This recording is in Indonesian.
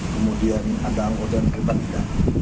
kemudian ada anggota yang keberanian